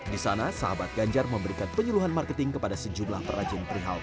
di sana sahabat ganjar memberikan penyuluhan marketing kepada sejumlah perajin perihal